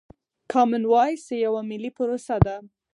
کامن وايس يوه ملي پروسه ده.